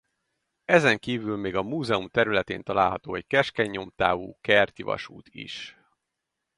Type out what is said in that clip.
Ezen kívül még a múzeum területén található egy keskeny nyomtávú kerti vasút is.